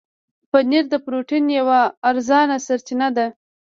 پنېر د پروټين یوه ارزانه سرچینه ده.